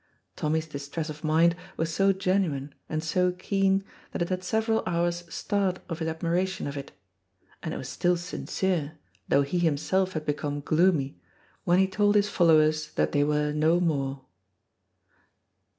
Tommy's distress of mind was so genuine and so keen that it had several hours' start of his admiration of it; and it was still sincere, though he himself had become gloomy, when he told his followers that they were no more.